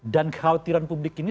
dan kekhawatiran publik ini